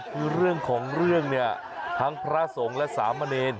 คือเรื่องของเรื่องเนี่ยทั้งพระสงฆ์และสามเณร